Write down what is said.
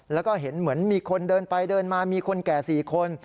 แล้วก็เห็นเหมือนมีคนเดินไปเดินมามีคนแก่๔คน